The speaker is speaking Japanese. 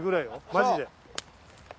マジで。